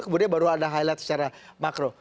kemudian baru ada highlight secara makro